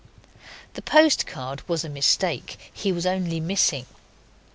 The postcard was a mistake; he was only missing.